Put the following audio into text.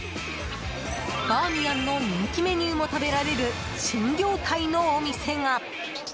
バーミヤンの人気メニューも食べられる新業態のお店が。